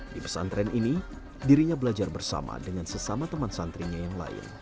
di pesantren ini dirinya belajar bersama dengan sesama teman santrinya yang lain